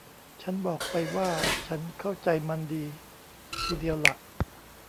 ฉันบอกไปว่าฉันเข้าใจมันดีทีเดียวล่ะ